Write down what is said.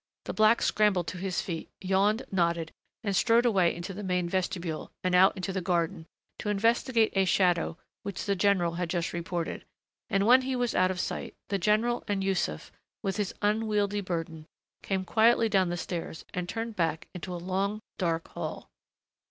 The black scrambled to his feet, yawned, nodded, and strode away into the main vestibule and out into the garden to investigate a shadow which the general had just reported, and when he was out of sight the general and Yussuf, with his unwieldy burden, came quietly down the stairs and turned back into a long, dark hall.